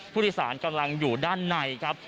ผู้โดยสารกำลังอยู่ด้านในครับ